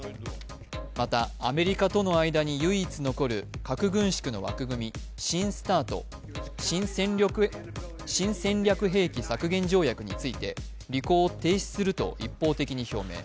また、アメリカとの間に唯一残る、核軍縮の枠組み新ＳＴＡＲＴ＝新戦略兵器削減条約について、履行を停止すると一方的に表明。